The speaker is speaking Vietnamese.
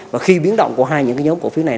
và khi biến động của hai những cái nhóm cổ phiếu này